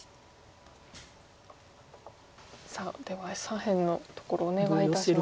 さあでは左辺のところお願いいたします。